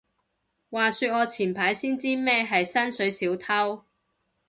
話說我前排先知咩係薪水小偷